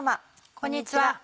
こんにちは。